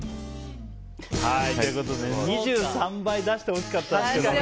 ２３倍出してほしかったですけど。